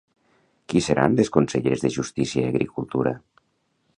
Qui seran les conselleres de Justícia i d'Agricultura?